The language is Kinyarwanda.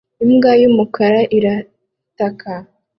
Imbwa y'umukara irataka